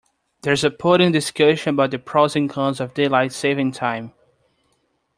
There's a podium discussion about the pros and cons of daylight saving time.